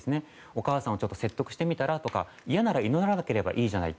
お母さんを説得してみたら？とか嫌なら祈らなければいいじゃない。